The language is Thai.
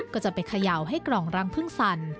ก็จะไปเขย่าให้กล่องรังพึ่งสั่น